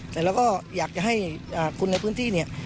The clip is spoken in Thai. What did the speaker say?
แต่เราก็อยากจะให้คนในพื้นที่เนี่ย